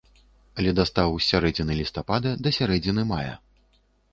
Ледастаў з сярэдзіны лістапада да сярэдзіны мая.